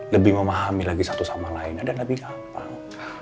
lebih memahami lagi satu sama lainnya dan lebih gampang